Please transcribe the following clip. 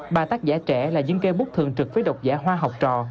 ba tác giả trẻ là dân kê bút thường trực với đọc giả hoa học trò